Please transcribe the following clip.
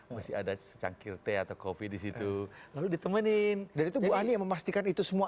masih ada cangkir teh atau kopi di situ lalu ditemenin dari tuhan yang memastikan itu semua